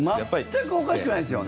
全くおかしくないですよね。